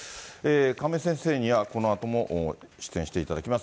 亀井先生にはこのあとも出演していただきます。